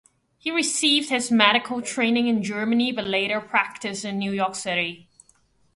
He received his medical training in Germany but later practiced in New York City.